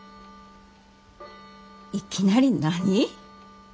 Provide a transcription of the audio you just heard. いきなり何？